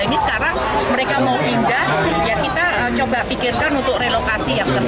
kita coba pikirkan untuk relokasi yang terbaik